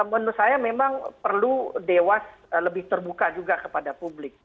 menurut saya memang perlu dewas lebih terbuka juga kepada publik